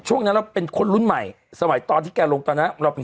ช่วงนั้นเราเป็นคนรุ่นใหม่สมัยตอนที่แกลงตอนนั้นเราเป็น